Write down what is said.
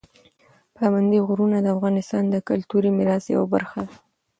پابندي غرونه د افغانستان د کلتوري میراث یوه برخه ده.